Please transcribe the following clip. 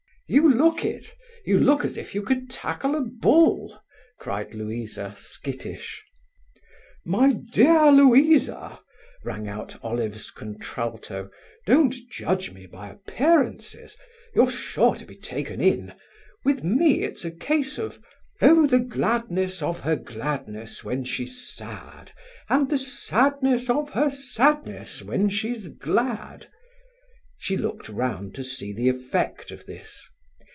"You look it. You look as if you could tackle a bull," cried Louisa, skittish. "My dear Louisa," rang out Olive's contralto, "don't judge me by appearances. You're sure to be taken in. With me it's a case of "'Oh, the gladness of her gladness when she's sad, And the sadness of her sadness when she's glad!'" She looked round to see the effect of this.